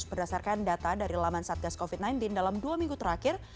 berdasarkan data dari laman satgas covid sembilan belas dalam dua minggu terakhir